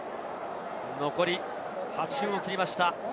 残り８分を切りました。